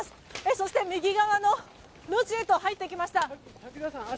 そして、右側の路地へと入っていきました。